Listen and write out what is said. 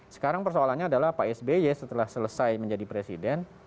sekarang persoalannya adalah pak sby setelah selesai menjadi presiden